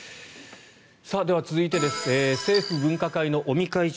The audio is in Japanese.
では、続いて政府分科会の尾身会長